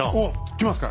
来ますか？